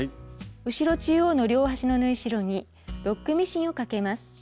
後ろ中央の両端の縫い代にロックミシンをかけます。